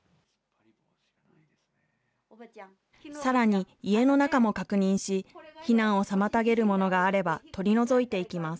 さらに、家の中も確認し、避難を妨げるものがあれば、取り除いていきます。